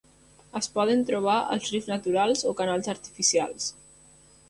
Es poden trobar als rius naturals o canals artificials.